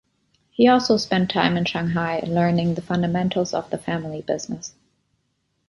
He also spent time in Shanghai learning the fundamentals of the family business.